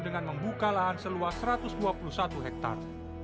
dengan membuka lahan seluas satu ratus dua puluh satu hektare